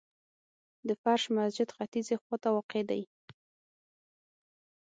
د فرش مسجد ختیځي خواته واقع دی.